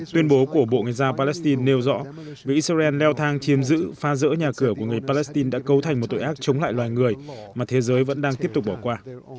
tuyên bố của bộ ngoại giao palestine nêu rõ việc israel leo thang chiếm giữ phá rỡ nhà cửa của người palestine đã cấu thành một tội ác chống lại loài người mà thế giới vẫn đang tiếp tục bỏ qua